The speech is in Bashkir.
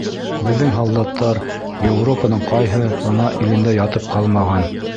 Беҙҙең һалдаттар Европаның ҡайһы ғына илендә ятып ҡалмаған!